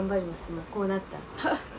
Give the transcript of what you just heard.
もうこうなったら。